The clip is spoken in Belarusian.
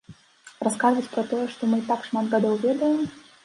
Расказваць пра тое, што мы і так шмат гадоў ведаем?